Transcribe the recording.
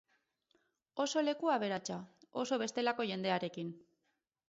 Oso leku aberatsa, oso bestelako jendearekin.